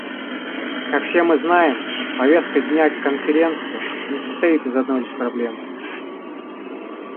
Как все мы знаем, повестка дня Конференции не состоит из одной лишь проблемы.